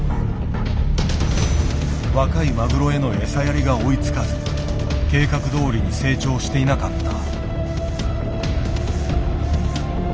若いマグロへの餌やりが追いつかず計画どおりに成長していなかった。